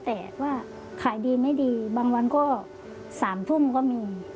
แต่ว่าขายดีไม่ดีบางวันก็๓ทุ่มก็มี